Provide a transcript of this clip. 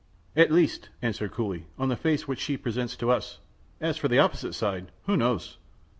"At least," answered Cooley, "on the face which she presents to us. As for the opposite side, who knows?"